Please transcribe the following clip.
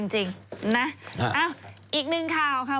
จริงนะอีกหนึ่งข่าวค่ะ